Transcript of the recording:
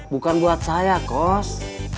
bukan buat saya kos